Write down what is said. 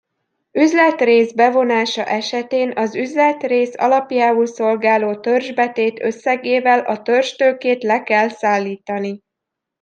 Üzletrész bevonása esetén az üzletrész alapjául szolgáló törzsbetét összegével a törzstőkét le kell szállítani.